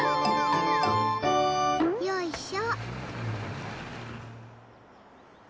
よいしょ。